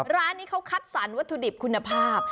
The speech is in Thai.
ร้านนี้เขาคัดสรรวัตถุดิบคุณภาพ